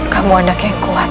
kamu anak yang kuat